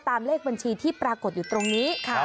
เลขบัญชีที่ปรากฏอยู่ตรงนี้